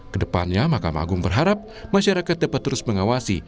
kedepannya mahkamah agung berharap masyarakat dapat terus mengawasi